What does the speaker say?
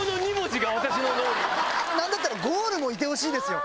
なんだったら、ゴールにもいてほしいですよ。